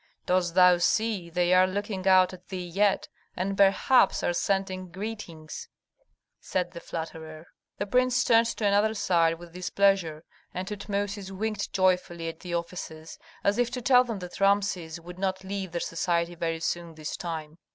Dost thou see, they are looking out at thee yet, and perhaps are sending greetings," said the flatterer. The prince turned to another side with displeasure, and Tutmosis winked joyfully at the officers, as if to tell them that Rameses would not leave their society very soon this time.